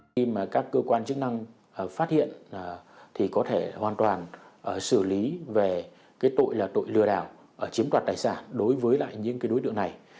khi mà các cơ quan chức năng phát hiện thì có thể hoàn toàn xử lý về cái tội là tội lừa đảo chiếm đoạt tài sản đối với lại những cái đối tượng này